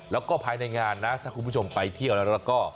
แล้วก็ภายในงานนะถ้าคุณผู้ชมไปเที่ยวแล้วก็